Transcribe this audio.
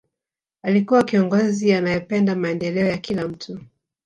alikuwa kiongozi anayependa maendeleo ya kila mtu